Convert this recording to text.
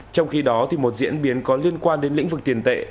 trong khi đó một diễn biến có liên quan đến lĩnh vực tiền tệ